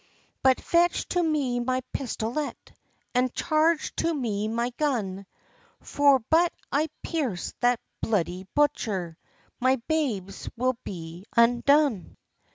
["But fetch to me my pistolette, And charge to me my gun; For, but if I pierce that bluidy butcher, My babes we will be undone."